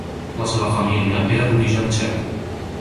La seva família era d'origen txec.